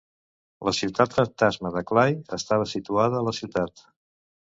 La ciutat fantasma de Clay estava situada a la ciutat.